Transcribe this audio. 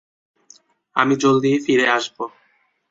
আমি জলদিই ফিরে আসব।